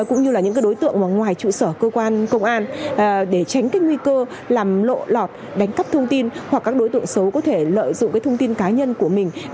cũng như là những đối tượng ngoài trụ sở cơ quan công an để tránh cái nguy cơ làm lộ lọt đánh cắp thông tin hoặc các đối tượng xấu có thể lợi dụng cái thông tin cá nhân của mình